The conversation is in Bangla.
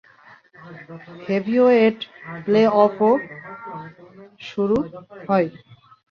হেভিওয়েট প্লেঅফও শুরু হয়।